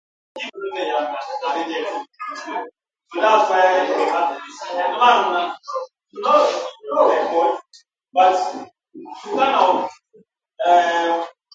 Usually a heist film will contain a three-act plot.